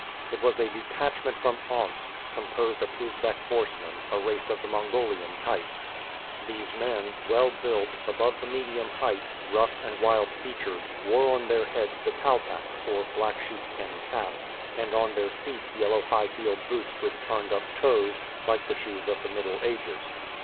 It was a detachment from Omsk, composed of Usbeck horsemen, a race of the Mongolian type. These men, well built, above the medium height, rough, and wild featured, wore on their heads the "talpak," or black sheep skin cap, and on their feet yellow high heeled boots with turned up toes, like the shoes of the Middle Ages.